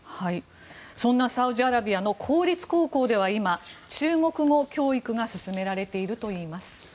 そんなサウジアラビアの公立高校では今、中国語教育が進められているといいます。